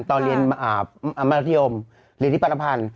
ตอนเรียนอัมราธิโยมเรียนที่ปรรภัณฑ์